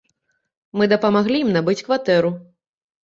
Мы дапамаглі ім набыць кватэру.